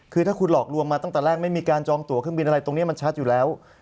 คือถ้าคุณหลอกรวมมาไม่มีการจองตัวเครื่องบินตรงนี้มันชัดอยู่แล้ว